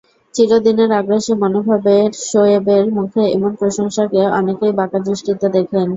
চিরদিনের আগ্রাসী মনোভাবের শোয়েবের মুখে এমন প্রশংসাকে অনেকেই বাঁকা দৃষ্টিতে দেখেন।